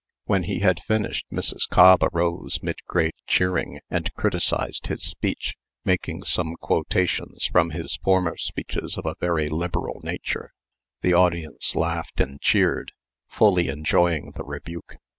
When he had finished, Mrs. Cobb arose mid great cheering and criticised his speech, making some quotations from his former speeches of a very liberal nature. The audience laughed and cheered, fully enjoying the rebuke.